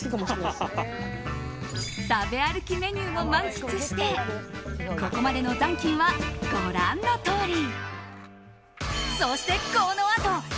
食べ歩きメニューも満喫してここまでの残金はご覧のとおり。